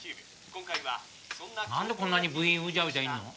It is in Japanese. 今回は何でこんなに部員うじゃうじゃいんの？